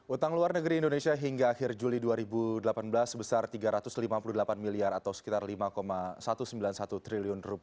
utang luar negeri indonesia hingga akhir juli dua ribu delapan belas sebesar rp tiga ratus lima puluh delapan miliar atau sekitar rp lima satu ratus sembilan puluh satu triliun